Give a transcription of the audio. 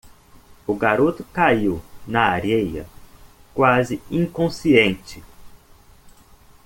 O garoto caiu na areia quase inconsciente.